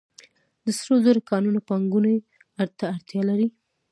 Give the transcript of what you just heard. د سرو زرو کانونه پانګونې ته اړتیا لري